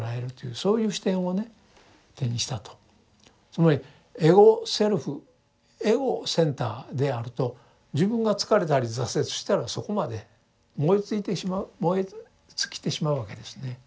つまりエゴ・セルフエゴ・センターであると自分が疲れたり挫折したらそこまで燃えついてしまう燃え尽きてしまうわけですね。